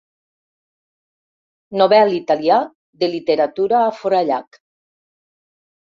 Nobel italià de literatura a Forallac.